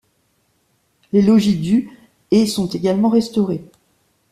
Les logis du et sont également restaurés.